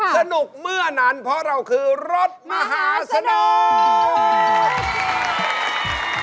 สนุกเมื่อนั้นเพราะเราคือรถมหาสนุก